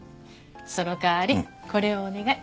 その代わりこれをお願い。